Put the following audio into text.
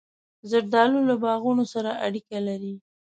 زردالو له باغونو سره اړیکه لري.